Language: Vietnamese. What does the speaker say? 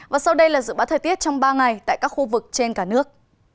và sau đây là dự báo thời tiết trong ba ngày tại các khu vực trên cả nước